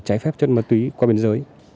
trái phép chân ma túy qua biên giới